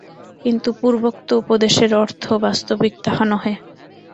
কিন্তু পূর্বোক্ত উপদেশের অর্থ বাস্তবিক তাহা নহে।